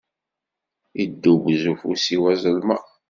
Yeddubbez ufus-iw azelmaḍ.